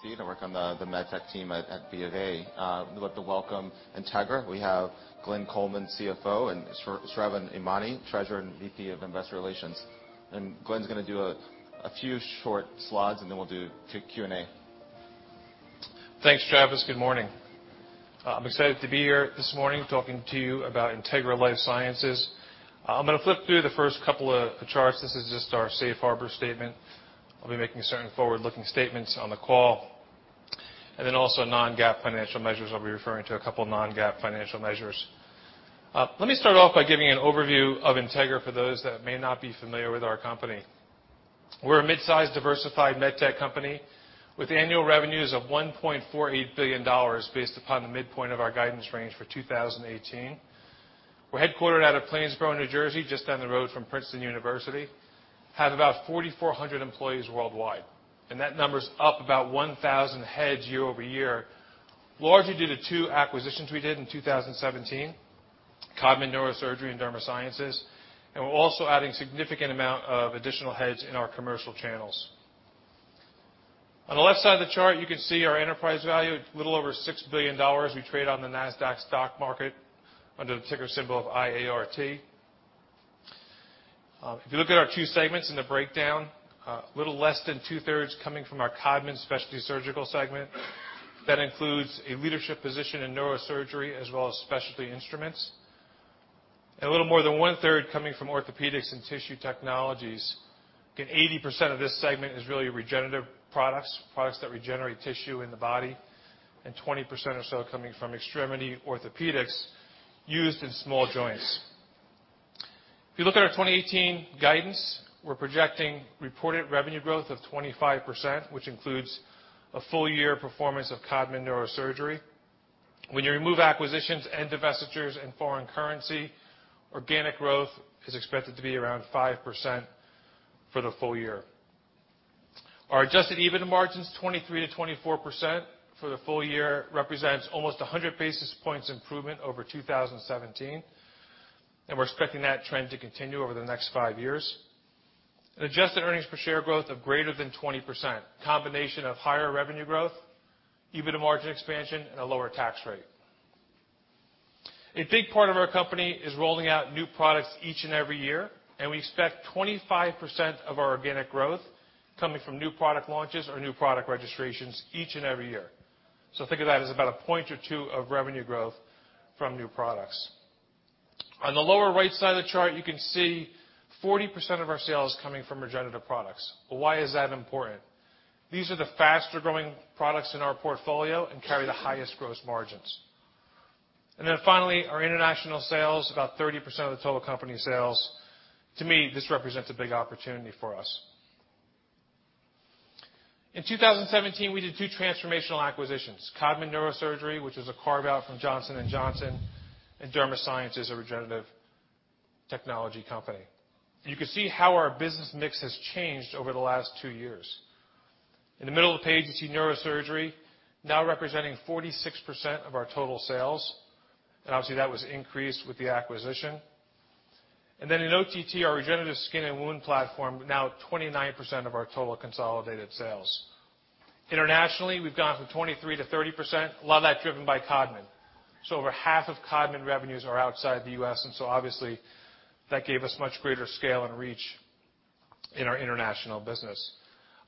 I see. I work on the MedTech team at BofA. We'd love to welcome Integra. We have Glenn Coleman, CFO, and Sravan Emany, Treasurer and VP of Investor Relations. Glenn's gonna do a few short slides, and then we'll do Q&A. Thanks, Travis. Good morning. I'm excited to be here this morning talking to you about Integra LifeSciences. I'm gonna flip through the first couple of charts. This is just our safe harbor statement. I'll be making certain forward-looking statements on the call, and then also non-GAAP financial measures. I'll be referring to a couple of non-GAAP financial measures. Let me start off by giving an overview of Integra for those that may not be familiar with our company. We're a mid-sized, diversified MedTech company with annual revenues of $1.48 billion based upon the midpoint of our guidance range for 2018. We're headquartered out of Plainsboro, New Jersey, just down the road from Princeton University. We have about 4,400 employees worldwide, and that number's up about 1,000 heads year-over-year, largely due to two acquisitions we did in 2017, Codman Neurosurgery and Derma Sciences. And we're also adding a significant amount of additional heads in our commercial channels. On the left side of the chart, you can see our enterprise value, a little over $6 billion. We trade on the NASDAQ stock market under the ticker symbol of IART. If you look at our two segments in the breakdown, a little less than two-thirds coming from our Codman Specialty Surgical segment. That includes a leadership position in neurosurgery as well as specialty instruments. And a little more than one-third coming from Orthopedics and Tissue Technologies. Again, 80% of this segment is really regenerative products, products that regenerate tissue in the body. And 20% or so coming from extremity orthopedics used in small joints. If you look at our 2018 guidance, we're projecting reported revenue growth of 25%, which includes a full-year performance of Codman Neurosurgery. When you remove acquisitions and divestitures in foreign currency, organic growth is expected to be around 5% for the full year. Our Adjusted EBITDA margins, 23% to 24% for the full year, represents almost 100 basis points improvement over 2017, and we're expecting that trend to continue over the next five years. An adjusted earnings per share growth of greater than 20%, a combination of higher revenue growth, EBITDA margin expansion, and a lower tax rate. A big part of our company is rolling out new products each and every year, and we expect 25% of our organic growth coming from new product launches or new product registrations each and every year. So think of that as about a point or two of revenue growth from new products. On the lower right side of the chart, you can see 40% of our sales coming from regenerative products. Why is that important? These are the faster-growing products in our portfolio and carry the highest gross margins. And then finally, our international sales, about 30% of the total company sales. To me, this represents a big opportunity for us. In 2017, we did two transformational acquisitions: Codman Neurosurgery, which was a carve-out from Johnson & Johnson, and Derma Sciences, a regenerative technology company. You can see how our business mix has changed over the last two years. In the middle of the page, you see neurosurgery now representing 46% of our total sales. And obviously, that was increased with the acquisition. And then in OTT, our regenerative skin and wound platform, now 29% of our total consolidated sales. Internationally, we've gone from 23% to 30%, a lot of that driven by Codman. So over half of Codman revenues are outside the US. And so obviously, that gave us much greater scale and reach in our international business.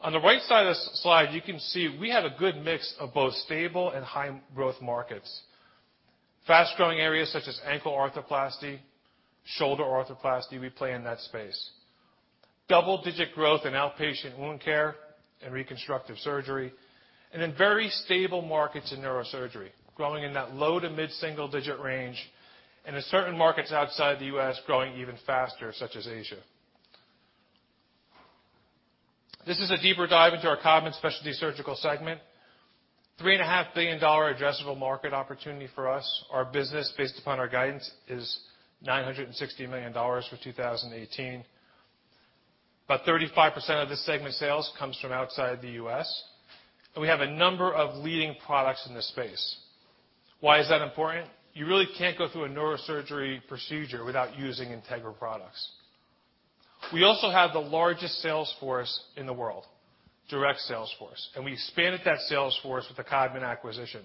On the right side of the slide, you can see we have a good mix of both stable and high-growth markets. Fast-growing areas such as ankle arthroplasty, shoulder arthroplasty, we play in that space. Double-digit growth in outpatient wound care and reconstructive surgery. And then very stable markets in neurosurgery, growing in that low to mid-single-digit range. And in certain markets outside the US, growing even faster, such as Asia. This is a deeper dive into our Codman Specialty Surgical segment. $3.5 billion addressable market opportunity for us. Our business, based upon our guidance, is $960 million for 2018. About 35% of this segment sales comes from outside the US. And we have a number of leading products in this space. Why is that important? You really can't go through a neurosurgery procedure without using Integra products. We also have the largest sales force in the world, direct sales force. And we expanded that sales force with the Codman acquisition,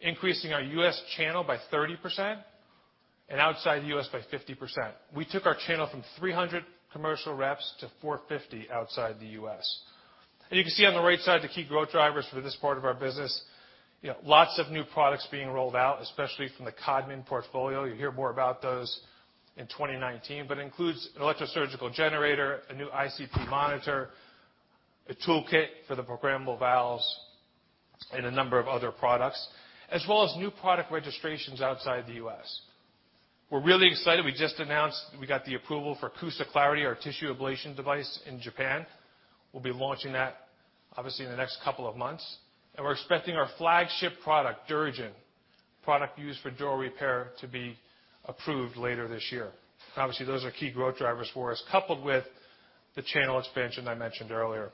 increasing our US channel by 30% and outside the US by 50%. We took our channel from 300 commercial reps to 450 outside the US. And you can see on the right side the key growth drivers for this part of our business. You know, lots of new products being rolled out, especially from the Codman portfolio. You hear more about those in 2019. But it includes an electrosurgical generator, a new ICP monitor, a toolkit for the programmable valves, and a number of other products, as well as new product registrations outside the US. We're really excited. We just announced we got the approval for CUSA Clarity, our tissue ablation device in Japan. We'll be launching that, obviously, in the next couple of months. And we're expecting our flagship product, DuraGen, product used for dural repair, to be approved later this year. Obviously, those are key growth drivers for us, coupled with the channel expansion I mentioned earlier.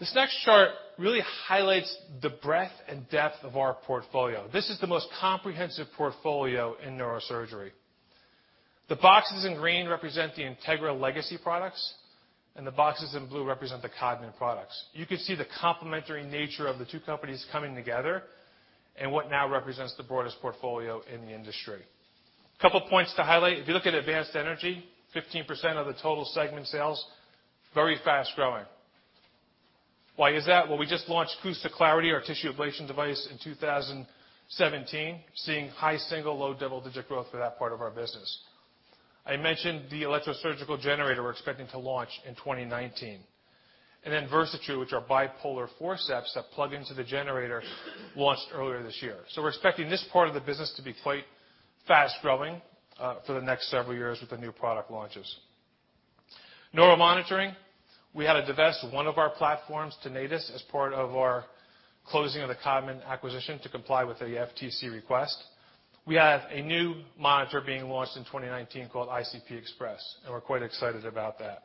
This next chart really highlights the breadth and depth of our portfolio. This is the most comprehensive portfolio in neurosurgery. The boxes in green represent the Integra legacy products, and the boxes in blue represent the Codman products. You can see the complementary nature of the two companies coming together and what now represents the broadest portfolio in the industry. A couple of points to highlight. If you look at Advanced Energy, 15% of the total segment sales, very fast-growing. Why is that? We just launched CUSA Clarity, our tissue ablation device, in 2017, seeing high single-digit, low double-digit growth for that part of our business. I mentioned the electrosurgical generator we're expecting to launch in 2019. And then VersaTru, which are bipolar forceps that plug into the generator, launched earlier this year. So we're expecting this part of the business to be quite fast-growing, for the next several years with the new product launches. Neuromonitoring, we had to divest one of our platforms to Natus, as part of our closing of the Codman acquisition to comply with the FTC request. We have a new monitor being launched in 2019 called ICP EXPRESS. And we're quite excited about that.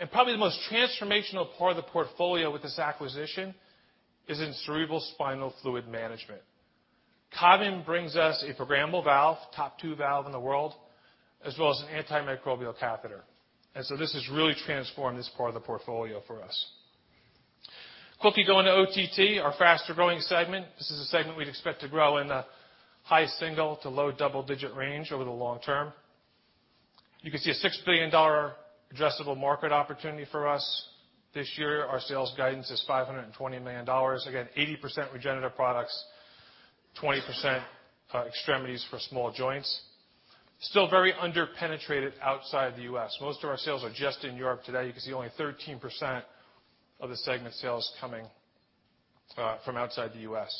And probably the most transformational part of the portfolio with this acquisition is in cerebrospinal fluid management. Codman brings us a programmable valve, top two valve in the world, as well as an antimicrobial catheter. And so this has really transformed this part of the portfolio for us. Quickly going to OTT, our faster-growing segment. This is a segment we'd expect to grow in the high single to low double-digit range over the long term. You can see a $6 billion addressable market opportunity for us this year. Our sales guidance is $520 million. Again, 80% regenerative products, 20% extremities for small joints. Still very underpenetrated outside the US. Most of our sales are just in Europe today. You can see only 13% of the segment sales coming from outside the US.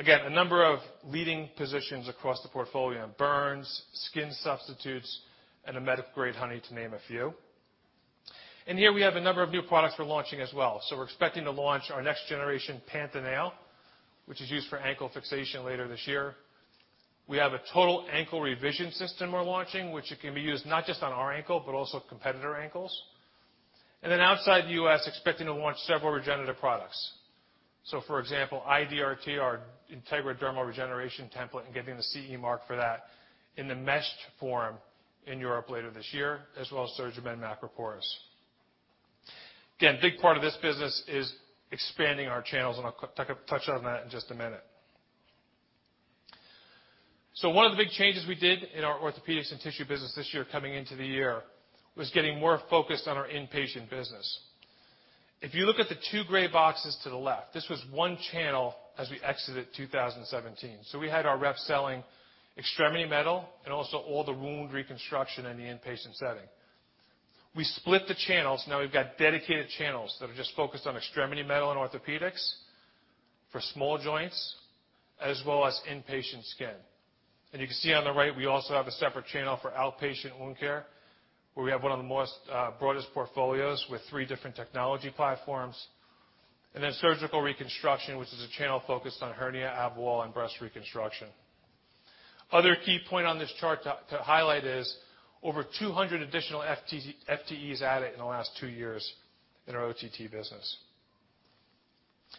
Again, a number of leading positions across the portfolio: burns, skin substitutes, and a medical-grade honey, to name a few. And here we have a number of new products we're launching as well. So we're expecting to launch our next-generation Panta Nail, which is used for ankle fixation later this year. We have a total ankle revision system we're launching, which can be used not just on our ankle but also competitor ankles. And then outside the US, expecting to launch several regenerative products. So for example, IDRT, our Integra Dermal Regeneration Template, and getting the CE mark for that in the meshed form in Europe later this year, as well as SurgiMend Macroporous. Again, a big part of this business is expanding our channels. And I'll touch on that in just a minute. So one of the big changes we did in our orthopedics and tissue business this year coming into the year was getting more focused on our inpatient business. If you look at the two gray boxes to the left, this was one channel as we exited 2017. So we had our rep selling extremity metal and also all the wound reconstruction in the inpatient setting. We split the channels. Now we've got dedicated channels that are just focused on extremity metal and orthopedics for small joints, as well as inpatient skin. And you can see on the right, we also have a separate channel for outpatient wound care, where we have one of the most, broadest portfolios with three different technology platforms. And then surgical reconstruction, which is a channel focused on hernia, ab wall, and breast reconstruction. Other key point on this chart to highlight is over 200 additional FTEs added in the last two years in our OTT business.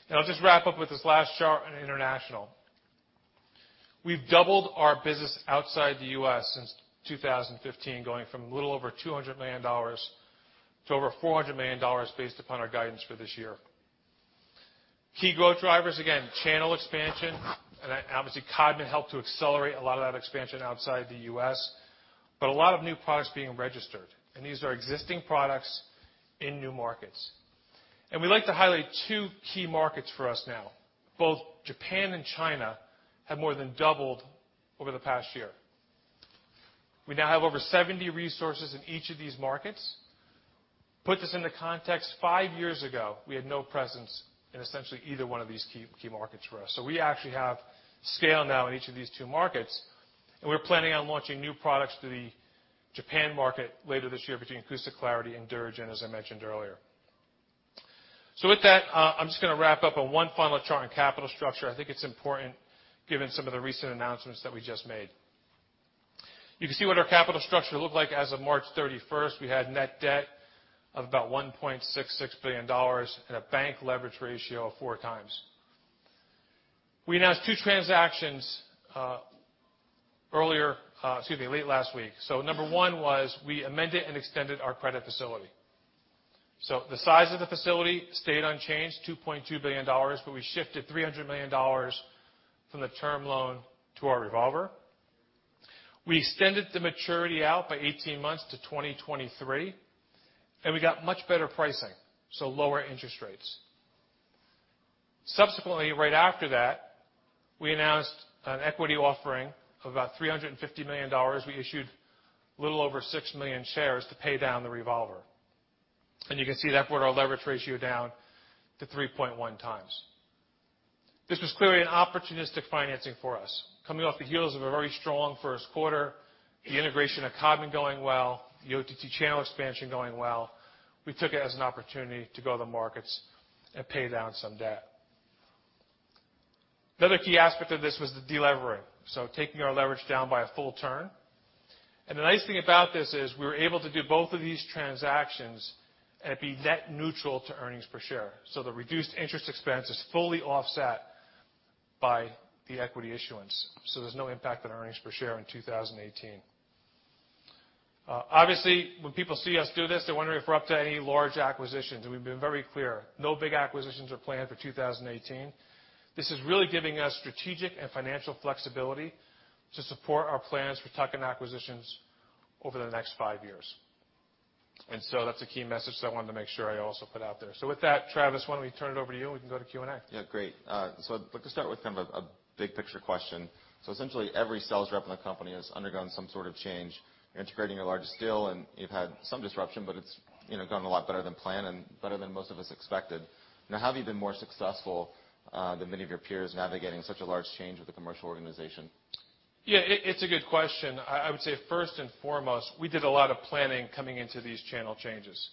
And I'll just wrap up with this last chart on international. We've doubled our business outside the US since 2015, going from a little over $200 million to over $400 million based upon our guidance for this year. Key growth drivers, again, channel expansion. And I obviously, Codman helped to accelerate a lot of that expansion outside the U.S. But a lot of new products being registered. And these are existing products in new markets. And we'd like to highlight two key markets for us now. Both Japan and China have more than doubled over the past year. We now have over 70 resources in each of these markets. Put this into context, five years ago, we had no presence in essentially either one of these key, key markets for us. So we actually have scale now in each of these two markets. We're planning on launching new products to the Japan market later this year between CUSA Clarity and DuraGen, as I mentioned earlier. With that, I'm just gonna wrap up on one final chart on capital structure. I think it's important given some of the recent announcements that we just made. You can see what our capital structure looked like as of 31 March. We had net debt of about $1.66 billion and a bank leverage ratio of four times. We announced two transactions, earlier, excuse me, late last week. Number one was we amended and extended our credit facility. The size of the facility stayed unchanged, $2.2 billion. But we shifted $300 million from the term loan to our revolver. We extended the maturity out by 18 months to 2023. And we got much better pricing, so lower interest rates. Subsequently, right after that, we announced an equity offering of about $350 million. We issued a little over six million shares to pay down the revolver. And you can see that brought our leverage ratio down to 3.1 times. This was clearly an opportunistic financing for us. Coming off the heels of a very strong Q1, the integration of Codman going well, the OTT channel expansion going well, we took it as an opportunity to go to the markets and pay down some debt. Another key aspect of this was the deleveraging, so taking our leverage down by a full turn. And the nice thing about this is we were able to do both of these transactions and be net neutral to earnings per share. So the reduced interest expense is fully offset by the equity issuance. So there's no impact on earnings per share in 2018. Obviously, when people see us do this, they're wondering if we're up to any large acquisitions, and we've been very clear, no big acquisitions are planned for 2018. This is really giving us strategic and financial flexibility to support our plans for tuck-in acquisitions over the next five years, and so that's a key message that I wanted to make sure I also put out there, so with that, Travis, why don't we turn it over to you? We can go to Q&A. Yeah, great, so I'd like to start with kind of a, a big-picture question, so essentially, every sales rep in the company has undergone some sort of change. You're integrating your largest deal, and you've had some disruption, but it's, you know, gone a lot better than planned and better than most of us expected. Now, how have you been more successful than many of your peers navigating such a large change with a commercial organization? Yeah, it's a good question. I would say first and foremost, we did a lot of planning coming into these channel changes.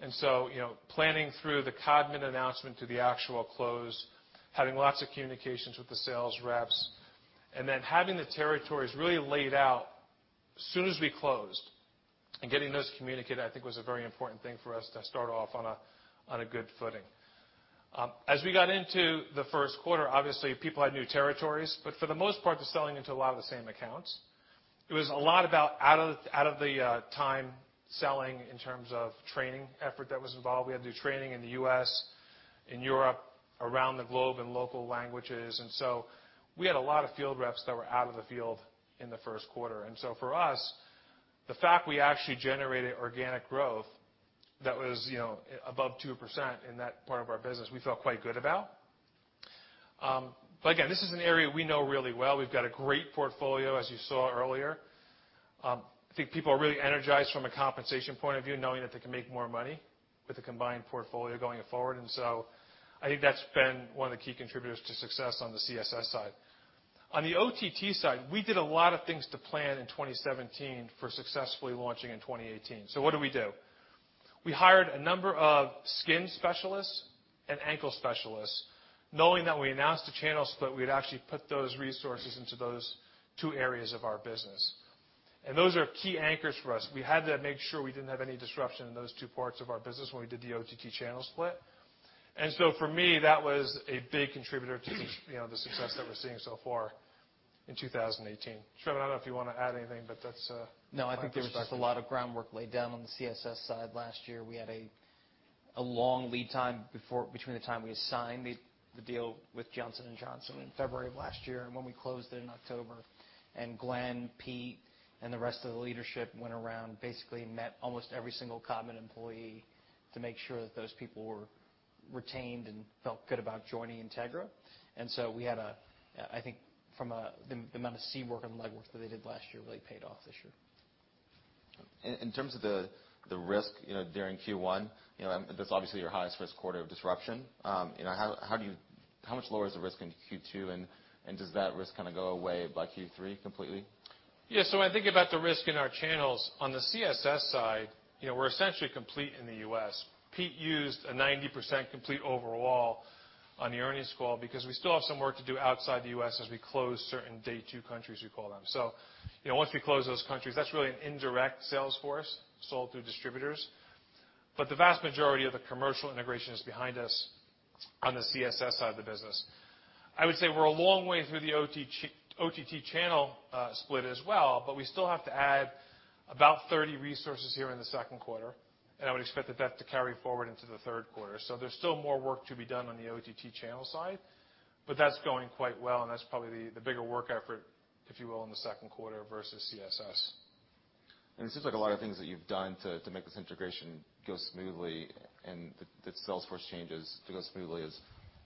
And so, you know, planning through the Codman announcement to the actual close, having lots of communications with the sales reps, and then having the territories really laid out as soon as we closed and getting those communicated, I think, was a very important thing for us to start off on a good footing. As we got into the Q1, obviously, people had new territories. But for the most part, they're selling into a lot of the same accounts. It was a lot about out of the time selling in terms of training effort that was involved. We had to do training in the US, in Europe, around the globe in local languages. And so we had a lot of field reps that were out of the field in the Q1. And so for us, the fact we actually generated organic growth that was, you know, above 2% in that part of our business, we felt quite good about. But again, this is an area we know really well. We've got a great portfolio, as you saw earlier. I think people are really energized from a compensation point of view, knowing that they can make more money with a combined portfolio going forward. And so I think that's been one of the key contributors to success on the CSS side. On the OTT side, we did a lot of things to plan in 2017 for successfully launching in 2018. So what did we do? We hired a number of skin specialists and ankle specialists, knowing that when we announced the channel split, we'd actually put those resources into those two areas of our business. And those are key anchors for us. We had to make sure we didn't have any disruption in those two parts of our business when we did the OTT channel split. And so for me, that was a big contributor to the, you know, the success that we're seeing so far in 2018. Sravan, I don't know if you wanna add anything, but that's. No, I think there was just a lot of groundwork laid down on the CSS side last year. We had a long lead time between the time we had signed the deal with Johnson & Johnson in February of last year and when we closed it in October. And Glenn, Pete, and the rest of the leadership went around, basically met almost every single Codman employee to make sure that those people were retained and felt good about joining Integra. And so we had, I think from the amount of work and legwork that they did last year really paid off this year. And in terms of the risk, you know, during Q1, you know, that's obviously your highest risk quarter of disruption. You know, how much lower is the risk in Q2? And does that risk kinda go away by Q3 completely? Yeah, so when I think about the risk in our channels, on the CSS side, you know, we're essentially complete in the US. Pete used a 90% complete overall on the earnings call because we still have some work to do outside the US as we close certain Day 2 countries, we call them. So, you know, once we close those countries, that's really an indirect sales force sold through distributors. But the vast majority of the commercial integration is behind us on the CSS side of the business. I would say we're a long way through the OTT channel split as well. But we still have to add about 30 resources here in the Q2. And I would expect that to carry forward into the Q3. So there's still more work to be done on the OTT channel side. But that's going quite well. That's probably the bigger work effort, if you will, in the Q2 versus CSS. And it seems like a lot of things that you've done to make this integration go smoothly and that sales force changes to go smoothly is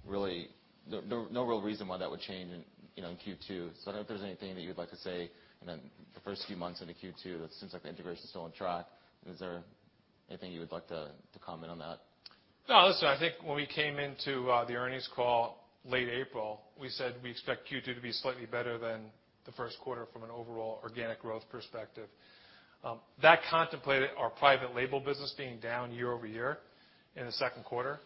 really no real reason why that would change in, you know, in Q2. So I don't know if there's anything that you would like to say in the first few months into Q2 that seems like the integration's still on track. Is there anything you would like to comment on that? No, listen. I think when we came into the earnings call late April, we said we expect Q2 to be slightly better than the Q1 from an overall organic growth perspective. That contemplated our private label business being down year-over-year in the Q2.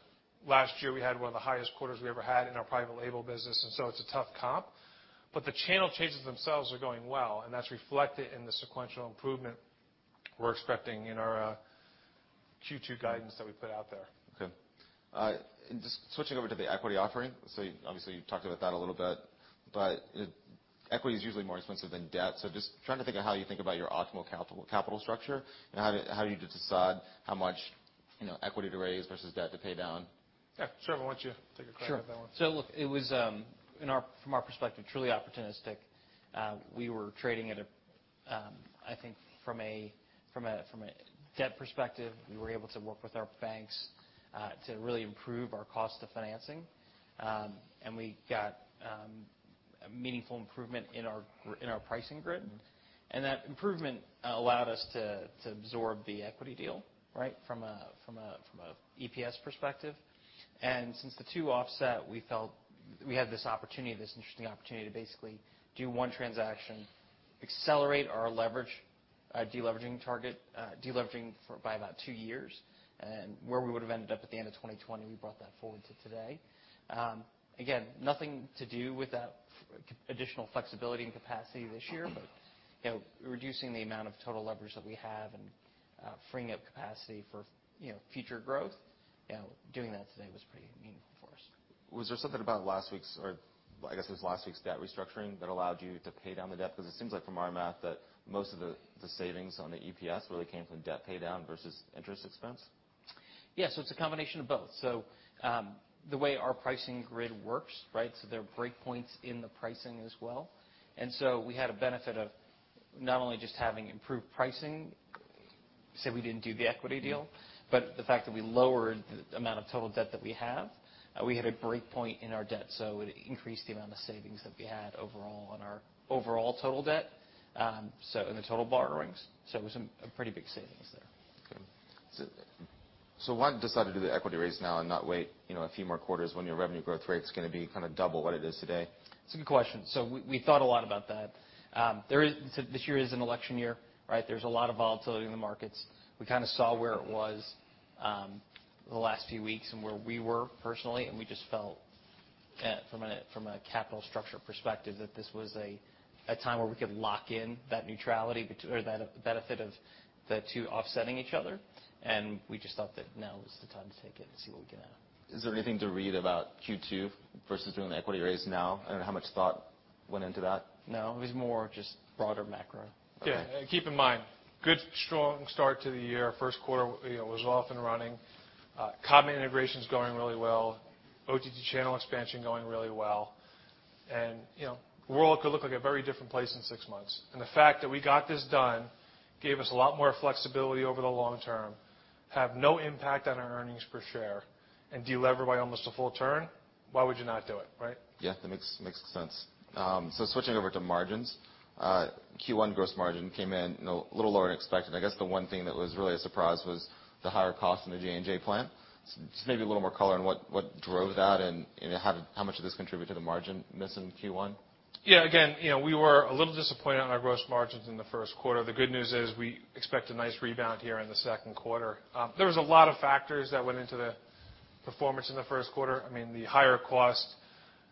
Last year, we had one of the highest quarters we ever had in our private label business. And so it's a tough comp. But the channel changes themselves are going well. And that's reflected in the sequential improvement we're expecting in our Q2 guidance that we put out there. Okay, and just switching over to the equity offering, so obviously you talked about that a little bit, but equity is usually more expensive than debt, so just trying to think of how you think about your optimal capital structure and how do you decide how much, you know, equity to raise versus debt to pay down? Sravan, why don't you take a crack at that one? Sure. So look, it was, from our perspective, truly opportunistic. We were trading at a, I think, from a debt perspective, we were able to work with our banks to really improve our cost of financing. And we got a meaningful improvement in our pricing grid. And that improvement allowed us to absorb the equity deal, right, from a EPS perspective. And since the two offset, we felt we had this opportunity, this interesting opportunity to basically do one transaction, accelerate our deleveraging target by about two years. And where we would have ended up at the end of 2020, we brought that forward to today. Again, nothing to do with that additional flexibility and capacity this year. But you know, reducing the amount of total leverage that we have and freeing up capacity for you know, future growth, you know, doing that today was pretty meaningful for us. Was there something about last week's or I guess it was last week's debt restructuring that allowed you to pay down the debt? Because it seems like from our math that most of the savings on the EPS really came from debt pay down versus interest expense. Yeah, so it's a combination of both. So, the way our pricing grid works, right, so there are breakpoints in the pricing as well. And so we had a benefit of not only just having improved pricing, say we didn't do the equity deal, but the fact that we lowered the amount of total debt that we have. We had a breakpoint in our debt. So it increased the amount of savings that we had overall on our overall total debt, so in the total borrowings. So it was a pretty big savings there. Okay. So, why decide to do the equity raise now and not wait, you know, a few more quarters when your revenue growth rate's gonna be kinda double what it is today? It's a good question. So we thought a lot about that. This year is an election year, right? There's a lot of volatility in the markets. We kinda saw where it was the last few weeks and where we were personally. And we just felt from a capital structure perspective that this was a time where we could lock in that neutrality bet or that benefit of the two offsetting each other. And we just thought that now was the time to take it and see what we get out of it. Is there anything to read about Q2 versus doing the equity raise now? I don't know how much thought went into that. No, it was more just broader macro. Yeah, and keep in mind, good, strong start to the year. Q1, you know, was off and running. Codman integration's going really well. OTT channel expansion going really well. And, you know, the world could look like a very different place in six months. And the fact that we got this done gave us a lot more flexibility over the long term, have no impact on our earnings per share, and delever by almost a full turn, why would you not do it, right? Yeah, that makes sense. So switching over to margins, Q1 gross margin came in, you know, a little lower than expected. I guess the one thing that was really a surprise was the higher cost in the J&J plant. Just maybe a little more color on what drove that and how much of this contribute to the margin miss in Q1? Yeah, again, you know, we were a little disappointed on our gross margins in the Q1. The good news is we expect a nice rebound here in the Q2. There was a lot of factors that went into the performance in the Q1. I mean, the higher cost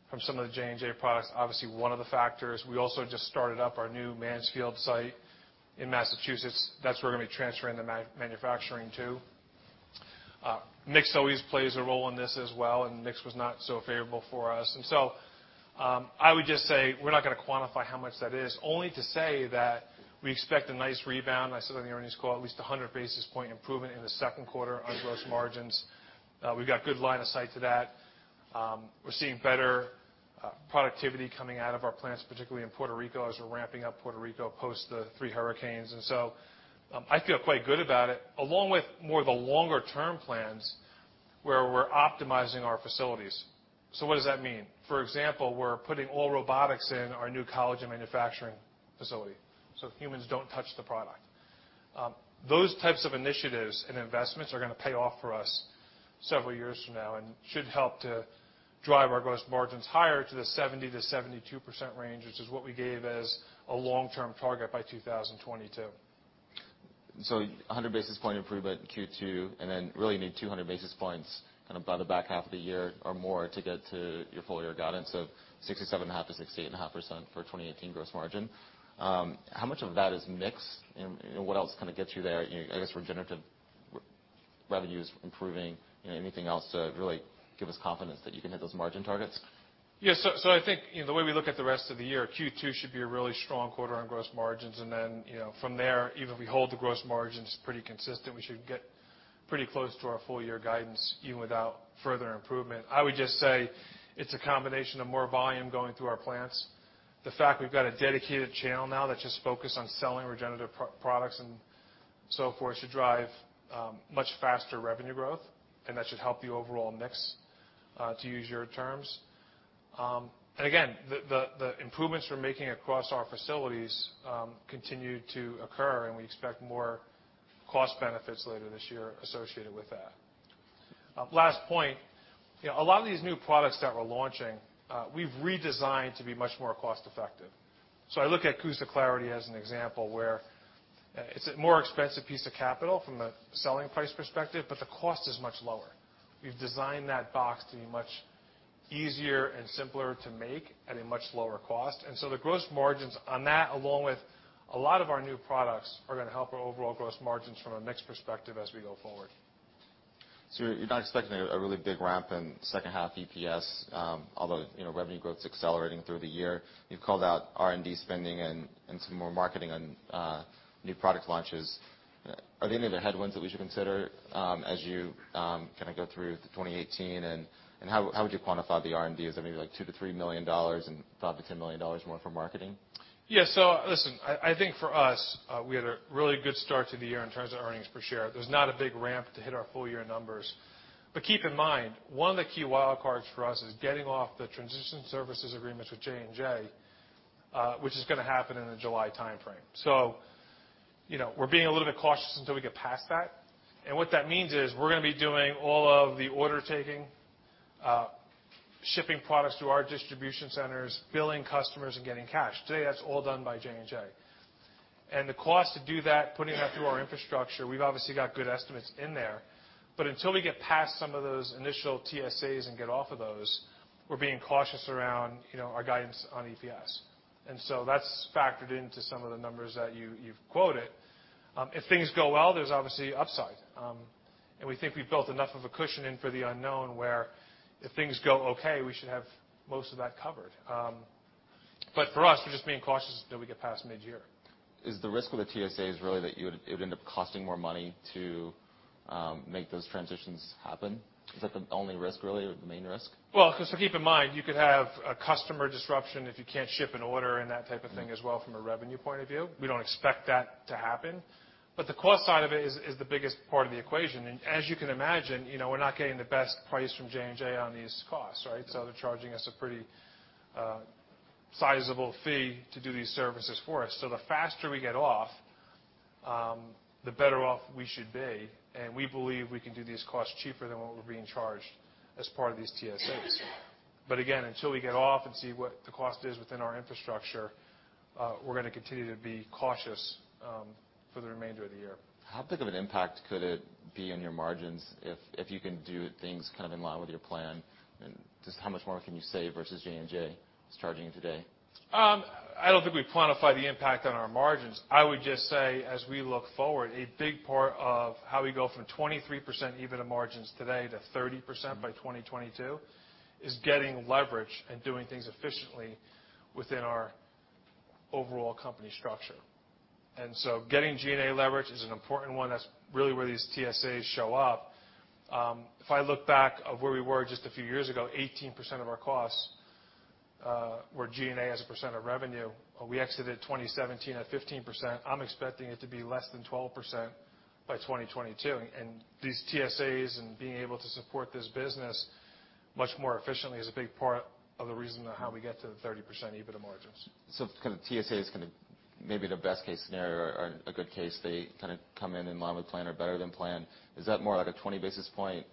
from some of the J&J products, obviously one of the factors. We also just started up our new Mansfield site in Massachusetts. That's where we're gonna be transferring the manufacturing to. FX always plays a role in this as well. And FX was not so favorable for us. And so, I would just say we're not gonna quantify how much that is, only to say that we expect a nice rebound. I said on the earnings call, at least 100 basis points improvement in the Q2 on gross margins. We've got good line of sight to that. We're seeing better productivity coming out of our plants, particularly in Puerto Rico, as we're ramping up Puerto Rico post the three hurricanes. And so, I feel quite good about it, along with more of the longer-term plans where we're optimizing our facilities. So what does that mean? For example, we're putting all robotics in our new collagen manufacturing facility so humans don't touch the product. Those types of initiatives and investments are gonna pay off for us several years from now and should help to drive our gross margins higher to the 70% to 72% range, which is what we gave as a long-term target by 2022. So 100 basis point improvement in Q2 and then really need 200 basis points kinda by the back half of the year or more to get to your full year guidance of 67.5% to 68.5% for 2018 gross margin. How much of that is mix? And what else kinda gets you there? You know, I guess regenerative revenues improving, you know, anything else to really give us confidence that you can hit those margin targets? Yeah, so I think, you know, the way we look at the rest of the year, Q2 should be a really strong quarter on gross margins. And then, you know, from there, even if we hold the gross margins pretty consistent, we should get pretty close to our full year guidance even without further improvement. I would just say it's a combination of more volume going through our plants. The fact we've got a dedicated channel now that's just focused on selling regenerative products and so forth should drive much faster revenue growth. And that should help the overall mix, to use your terms. And again, the improvements we're making across our facilities continue to occur. And we expect more cost benefits later this year associated with that. Last point, you know, a lot of these new products that we're launching, we've redesigned to be much more cost-effective. So I look at CUSA Clarity as an example where, it's a more expensive piece of capital from a selling price perspective, but the cost is much lower. We've designed that box to be much easier and simpler to make at a much lower cost, and so the gross margins on that, along with a lot of our new products, are gonna help our overall gross margins from a mixed perspective as we go forward. You're not expecting a really big ramp in second half EPS, although you know, revenue growth's accelerating through the year. You've called out R&D spending and some more marketing on new product launches. Are there any of the headwinds that we should consider as you kinda go through 2018? And how would you quantify the R&D? Is that maybe like $2 to 3 million and $5 to 10 million more for marketing? Yeah, so listen, I, I think for us, we had a really good start to the year in terms of earnings per share. There's not a big ramp to hit our full year numbers. But keep in mind, one of the key wildcards for us is getting off the transition services agreements with J&J, which is gonna happen in the July timeframe. So, you know, we're being a little bit cautious until we get past that. And what that means is we're gonna be doing all of the order taking, shipping products to our distribution centers, billing customers, and getting cash. Today, that's all done by J&J. And the cost to do that, putting that through our infrastructure, we've obviously got good estimates in there. But until we get past some of those initial TSAs and get off of those, we're being cautious around, you know, our guidance on EPS. And so that's factored into some of the numbers that you've quoted. If things go well, there's obviously upside. And we think we've built enough of a cushion in for the unknown where if things go okay, we should have most of that covered. But for us, we're just being cautious until we get past mid-year. Is the risk with the TSAs really that you would end up costing more money to make those transitions happen? Is that the only risk really or the main risk? Well, so keep in mind, you could have a customer disruption if you can't ship an order and that type of thing as well from a revenue point of view. We don't expect that to happen. But the cost side of it is the biggest part of the equation. And as you can imagine, you know, we're not getting the best price from J&J on these costs, right? So they're charging us a pretty sizable fee to do these services for us. So the faster we get off, the better off we should be. And we believe we can do these costs cheaper than what we're being charged as part of these TSAs. But again, until we get off and see what the cost is within our infrastructure, we're gonna continue to be cautious for the remainder of the year. How big of an impact could it be on your margins if you can do things kind of in line with your plan? And just how much more can you save versus J&J is charging you today? I don't think we've quantified the impact on our margins. I would just say, as we look forward, a big part of how we go from 23% EBITDA margins today to 30% by 2022 is getting leverage and doing things efficiently within our overall company structure. And so getting G&A leverage is an important one. That's really where these TSAs show up. If I look back at where we were just a few years ago, 18% of our costs were G&A as a percent of revenue. We exited 2017 at 15%. I'm expecting it to be less than 12% by 2022. And these TSAs and being able to support this business much more efficiently is a big part of the reason how we get to the 30% EBITDA margins. So kinda TSA is kinda maybe the best case scenario or a good case. They kinda come in line with plan or better than plan. Is that more like a 20 basis point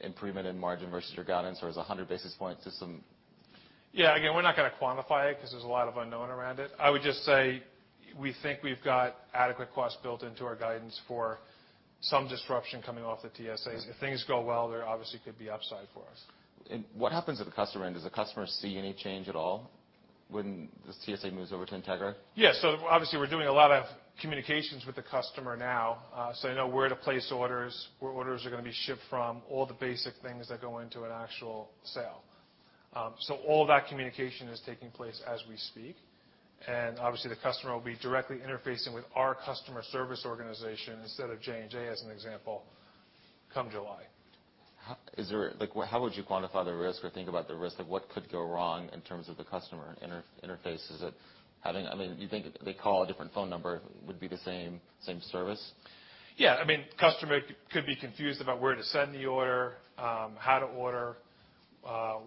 improvement in margin versus your guidance, or is it 100 basis points or some? Yeah, again, we're not gonna quantify it 'cause there's a lot of unknown around it. I would just say we think we've got adequate costs built into our guidance for some disruption coming off the TSAs. If things go well, there obviously could be upside for us. What happens at the customer end? Does the customer see any change at all when this TSA moves over to Integra? Yeah, so obviously, we're doing a lot of communications with the customer now. So I know where to place orders, where orders are gonna be shipped from, all the basic things that go into an actual sale. So all that communication is taking place as we speak. And obviously, the customer will be directly interfacing with our customer service organization instead of J&J, as an example, come July. How is there like, how would you quantify the risk or think about the risk of what could go wrong in terms of the customer interfaces that having I mean, you think they call a different phone number, would be the same, same service? Yeah, I mean, customer could be confused about where to send the order, how to order,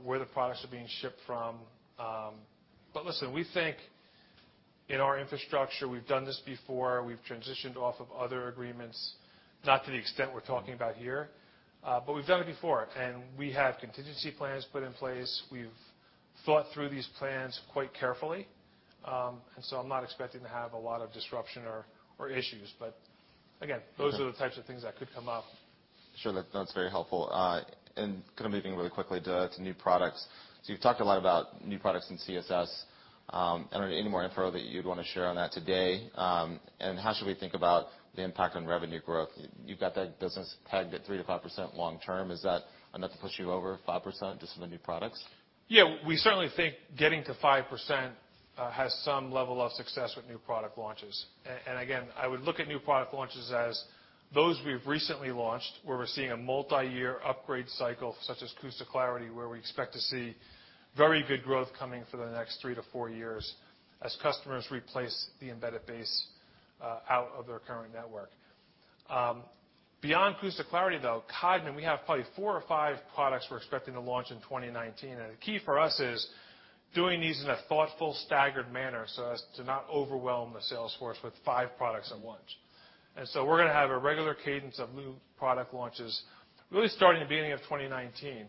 where the products are being shipped from. But listen, we think in our infrastructure, we've done this before. We've transitioned off of other agreements, not to the extent we're talking about here. But we've done it before. And we have contingency plans put in place. We've thought through these plans quite carefully, and so I'm not expecting to have a lot of disruption or, or issues. But again, those are the types of things that could come up. Sure, that's very helpful and kinda moving really quickly to new products. So you've talked a lot about new products in CSS. I don't know any more info that you'd wanna share on that today and how should we think about the impact on revenue growth? You've got that business pegged at 3% to 5% long-term. Is that enough to push you over 5% just from the new products? Yeah, we certainly think getting to 5% has some level of success with new product launches. And again, I would look at new product launches as those we've recently launched where we're seeing a multi-year upgrade cycle such as CUSA Clarity, where we expect to see very good growth coming for the next 3 to 4 years as customers replace the embedded base out of their current network. Beyond CUSA Clarity, though, Codman, we have probably 4 or 5 products we're expecting to launch in 2019. And the key for us is doing these in a thoughtful, staggered manner so as to not overwhelm the sales force with 5 products at once. And so we're gonna have a regular cadence of new product launches, really starting at the beginning of 2019.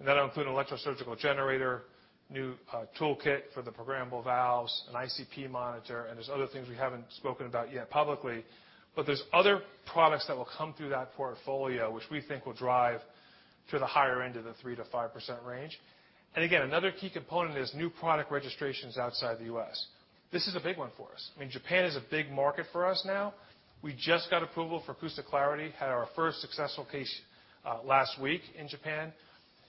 And that'll include an electrosurgical generator, new toolkit for the programmable valves, an ICP monitor. And there's other things we haven't spoken about yet publicly. But there's other products that will come through that portfolio, which we think will drive to the higher end of the 3% to 5% range. And again, another key component is new product registrations outside the US. This is a big one for us. I mean, Japan is a big market for us now. We just got approval for CUSA Clarity, had our first successful case last week in Japan. And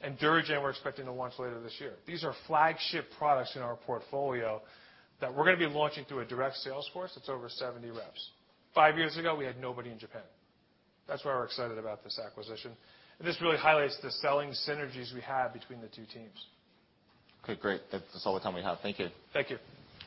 DuraGen we're expecting to launch later this year. These are flagship products in our portfolio that we're gonna be launching through a direct sales force that's over 70 reps. Five years ago, we had nobody in Japan. That's why we're excited about this acquisition. And this really highlights the selling synergies we have between the two teams. Okay, great. That's all the time we have. Thank you. Thank you.